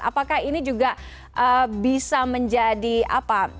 apakah ini juga bisa menjadi apa